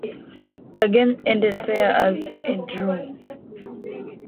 The game ended there as a draw.